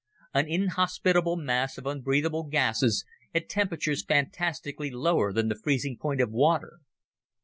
An inhospitable mass of unbreathable gases, at temperatures fantastically lower than the freezing point of water.